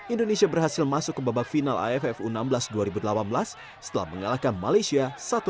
indonesia berhasil masuk ke babak final aff u enam belas dua ribu delapan belas setelah mengalahkan malaysia satu